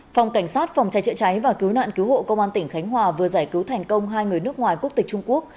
phòng cảnh sát phòng cháy chữa cháy và cứu nạn cứu hộ công an tỉnh khánh hòa vừa giải cứu thành công hai người nước ngoài quốc tịch trung quốc